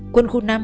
quân khu năm